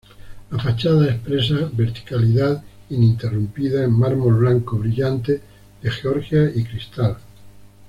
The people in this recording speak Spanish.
La fachada expresa verticalidad ininterrumpida en mármol blanco brillante de Georgia y cristal.